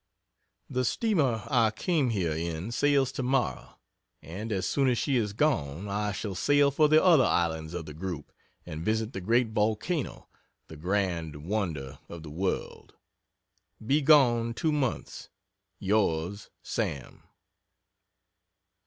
The steamer I came here in sails tomorrow, and as soon as she is gone I shall sail for the other islands of the group and visit the great volcano the grand wonder of the world. Be gone two months. Yrs. SAM.